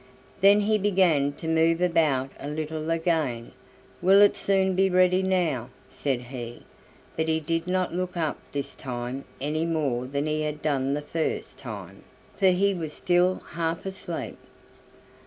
Then he began to move about a little again. "Will it soon be ready now?" said he, but he did not look up this time any more than he had done the first time, for he was still half asleep.